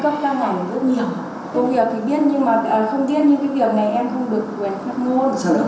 các cấp các ngành rất nhiều công việc thì biết nhưng mà không biết những cái việc này em không được quyền phát ngôn